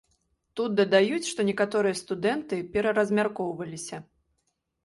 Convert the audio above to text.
Тут дадаюць, што некаторыя студэнты пераразмяркоўваліся.